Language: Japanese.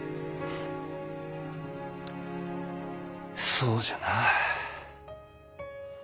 そうじゃな。